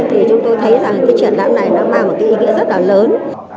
thì chúng tôi thấy rằng cái triển lãm này nó mang một cái ý nghĩa rất là lớn